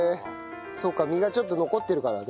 そうか身がちょっと残ってるからね。